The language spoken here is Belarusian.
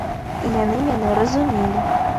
І яны мяне разумелі!